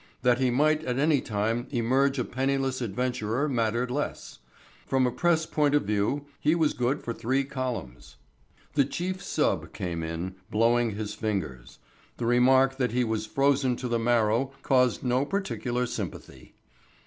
That he might at any time emerge a penniless adventurer mattered less. From a press point of view he was good for three columns. The chief "sub" came in, blowing his fingers. The remark that he was frozen to the marrow caused no particular sympathy.